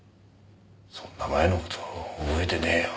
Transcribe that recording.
そんな前の事覚えてねえよ。